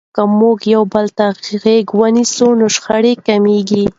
که موږ یو بل ته غوږ سو نو شخړې کمیږي.